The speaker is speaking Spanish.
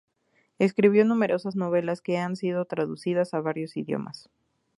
Escribió numerosas novelas que han sido traducidas a varios idiomas.